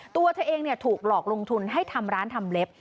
ตัวเธอเองถูกหลอกลงทุนให้ทำร้านทำเล็บ